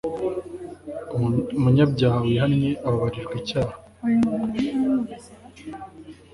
umunyabyaha wihannye ababarirwa icyaha